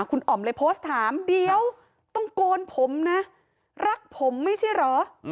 คุณอ๋อมเลยโพสต์ถามเดี๋ยวต้องโกนผมนะรักผมไม่ใช่เหรอ